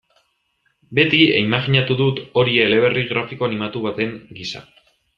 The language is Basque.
Beti imajinatu dut hori eleberri grafiko animatu baten gisa.